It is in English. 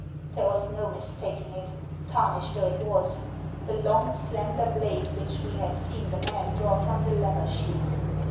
There was no mistaking it, tarnished though it was — the long, slender blade which we had seen the man •draw from the leather sheath.